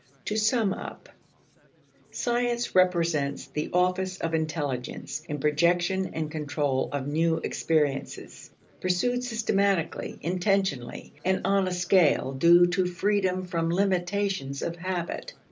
To sum up: Science represents the office of intelligence, in projection and control of new experiences, pursued systematically, intentionally, and on a scale due to freedom from limitations of habit.